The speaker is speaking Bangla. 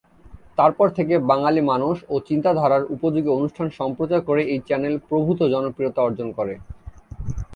তারপর থেকে বাঙালি মানস ও চিন্তাধারার উপযোগী অনুষ্ঠান সম্প্রচার করে এই চ্যানেল প্রভূত জনপ্রিয়তা অর্জন করে।